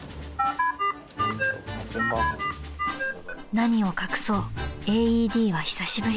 ［何を隠そうＡＥＤは久しぶり］